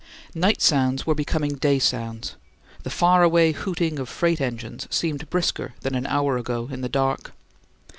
Night sounds were becoming day sounds; the far away hooting of freight engines seemed brisker than an hour ago in the dark.